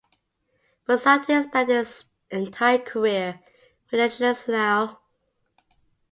Fossati spent his entire career with Internazionale.